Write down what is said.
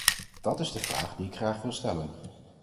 Dat is de vraag die ik graag wil stellen.